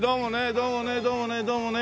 どうもねどうもねどうもね。